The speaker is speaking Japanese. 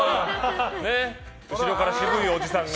後ろから渋いおじさんが。